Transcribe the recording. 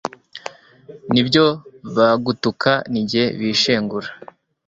n'ibyo bagutuka ni jye bishengura